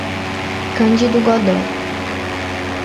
Cândido Godói